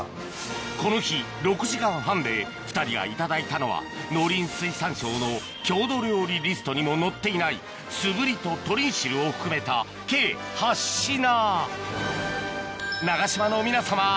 この日６時間半で２人がいただいたのは農林水産省の郷土料理リストにも載っていないすぶりととりんしるを含めた計８品長島の皆さま